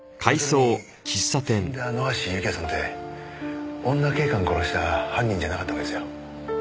要するに死んだ野橋幸也さんって女警官殺した犯人じゃなかったわけですよ。